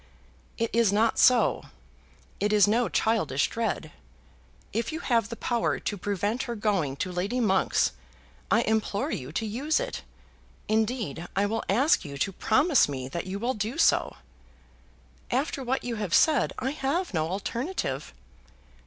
"It is not so. It is no childish dread. If you have the power to prevent her going to Lady Monk's, I implore you to use it. Indeed, I will ask you to promise me that you will do so." "After what you have said, I have no alternative."